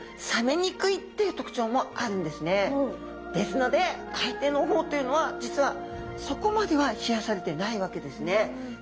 ですので海底の方というのは実はそこまでは冷やされてないわけですね。